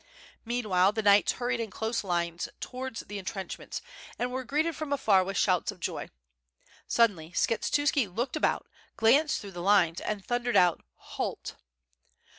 Meanwhile the knights hurried in close lines towards the entrenchments, and were greeted from afar with shouts of joy. Suddenly Skshetuski looked about, glanced through the lines, and thundered out, "Halt.